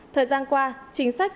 thời gian qua chính sách dùng nông sản